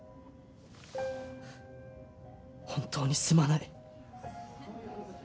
本当にすまない。